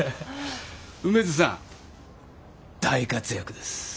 梅津さん大活躍です。